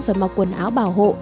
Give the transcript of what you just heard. phải mặc quần áo bảo hộ